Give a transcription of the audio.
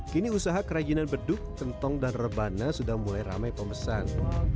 kini usaha kerajinan beduk kentong dan rebana sudah mulai ramai pemesan